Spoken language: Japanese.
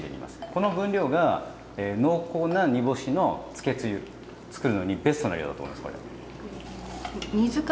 この分量が濃厚な煮干しのつけつゆつくるのにベストな量だと思いますこれ。